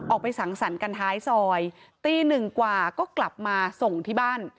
ไปสังสรรค์กันท้ายซอยตีหนึ่งกว่าก็กลับมาส่งที่บ้าน